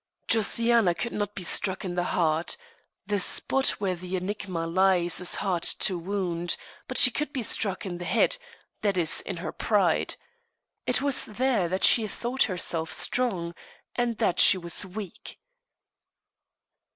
Josiana could not be struck in the heart the spot where the enigma lies is hard to wound; but she could be struck in the head that is, in her pride. It was there that she thought herself strong, and that she was weak.